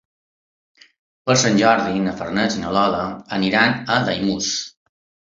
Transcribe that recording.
Per Sant Jordi na Farners i na Lola aniran a Daimús.